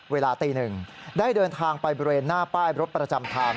เวลาตีหนึ่งได้เดินทางไปบริเวณหน้าป้ายรถประจำทาง